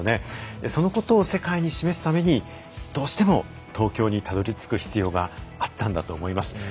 そのことを世界に示すためにどうしても東京にたどりつく必要があったんだと思います。